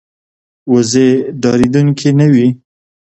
وزې ډارېدونکې نه وي